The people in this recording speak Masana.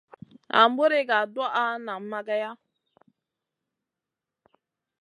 Nan buri ga tuwaʼa nang mageya.